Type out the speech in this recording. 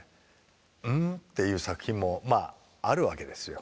「うん？」っていう作品もまああるわけですよ。